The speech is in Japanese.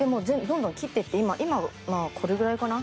どんどん切ってって今これぐらいかな？